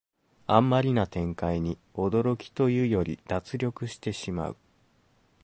あんまりな展開に驚きというより脱力してしまう